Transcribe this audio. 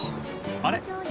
「あれ？